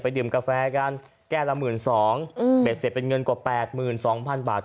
ดื่มกาแฟกันแก้วละ๑๒๐๐บาทเบ็ดเสร็จเป็นเงินกว่า๘๒๐๐๐บาท